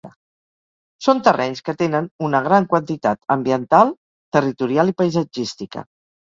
Són terrenys que tenen una gran quantitat ambiental, territorial i paisatgística.